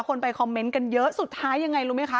คนไปคอมเมนต์กันเยอะสุดท้ายยังไงรู้ไหมคะ